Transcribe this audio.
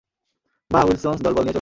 বাহ, উইলসন্স দলবল নিয়ে চলে এসেছে!